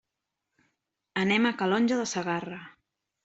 Anem a Calonge de Segarra.